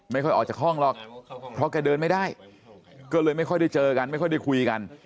ไม่ค่อยออกจากห้องหรอกเพราะแกเดินไม่ได้ก็เลยไม่ค่อยได้เจอกันไม่ค่อยได้คุยกัน